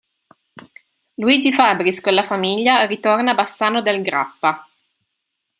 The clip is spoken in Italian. Luigi Fabris con la famiglia ritorna a Bassano del Grappa.